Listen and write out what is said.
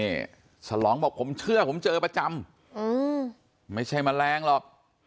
นี่ฉลองบอกผมเชื่อผมเจอประจำอืมไม่ใช่แมลงหรอก